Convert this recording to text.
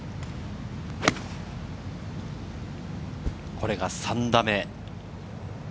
これが３打目。